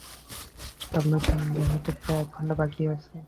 তখনও সন্ধ্যা হইতে প্রায় এক ঘণ্টা বাকী আছে।